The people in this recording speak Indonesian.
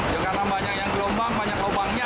karena banyak yang gelombang banyak lubangnya